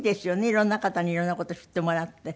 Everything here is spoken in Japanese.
いろんな方にいろんな事を知ってもらって。